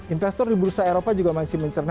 investor di bursa eropa juga masih mencerna